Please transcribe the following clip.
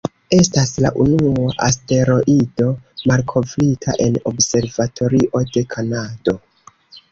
Estas la unua asteroido malkovrita en observatorio de Kanado.